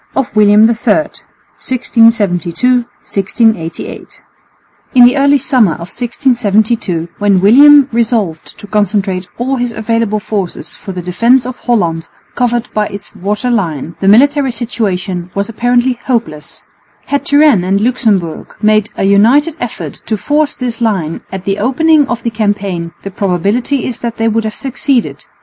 CHAPTER XVIII THE STADHOLDERATE OF WILLIAM III, 1672 1688 In the early summer of 1672, when William resolved to concentrate all his available forces for the defence of Holland covered by its water line, the military situation was apparently hopeless. Had Turenne and Luxemburg made a united effort to force this line at the opening of the campaign the probability is that they would have succeeded.